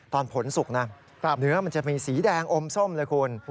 ผลสุกนะเนื้อมันจะมีสีแดงอมส้มเลยคุณ